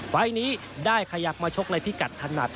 ไฟล์นี้ใครอยากมาชกในพิกัดธนัด